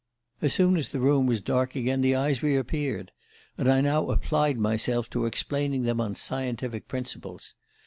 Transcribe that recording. "As soon as the room was dark again the eyes reappeared; and I now applied myself to explaining them on scientific principles.